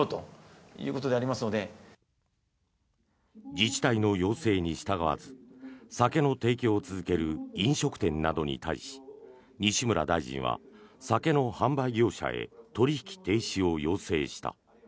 自治体の要請に従わず酒の提供を続ける飲食店などに対し西村大臣は酒の販売業者へ取引停止を要請した。